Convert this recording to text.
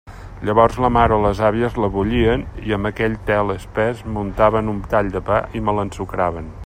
Llavors la mare o les àvies la bullien i amb aquell tel espès m'untaven un tall de pa i me l'ensucraven.